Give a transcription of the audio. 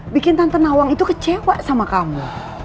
bikin tante nawang itu kecewa sama kamu